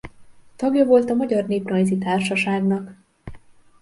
Tagja volt a Magyar Néprajzi Társaságnak.